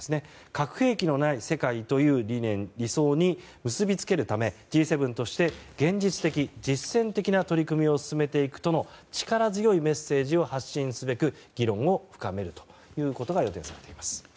核兵器のない世界という理想に結びつけるためＧ７として現実的・実践的な取り組みを続けていくとの力強いメッセージを発信すべく議論を深めるということが予定されています。